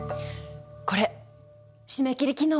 これ締め切り昨日。